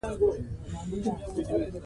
د هېواد مرکز د افغانانو د تفریح یوه وسیله ده.